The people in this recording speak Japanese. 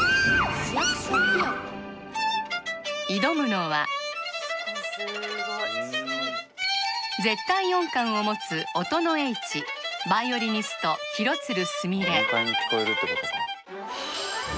挑むのは絶対音感を持つ音の叡智バイオリニスト廣津留すみれ